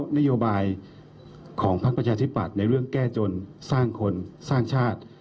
นโยบายของพักประชาธิปัตย์ในเรื่องแก้จนสร้างคนสร้างชาติ